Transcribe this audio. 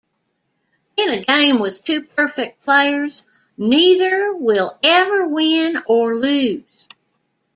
In a game with two perfect players, neither will ever win or lose.